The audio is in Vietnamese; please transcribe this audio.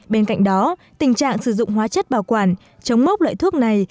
bên cạnh đó tình trạng sử dụng hóa chất bảo quản chống mốc loại thuốc này